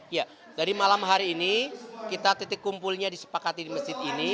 ya dari malam hari ini kita titik kumpulnya disepakati di masjid ini